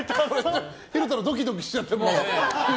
昼太郎ドキドキしちゃってもう。